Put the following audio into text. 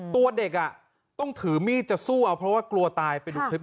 ตัวเด็กต้องถือมีดจะสู้เพราะว่ากลัวตาย